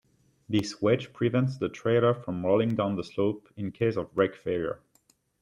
This wedge prevents the trailer from rolling down the slope in case of brake failure.